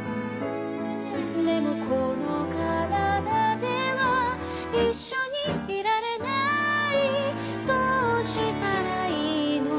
「でもこのからだではいっしょにいられない」「どうしたらいいの」